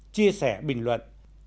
chia sẻ bình luận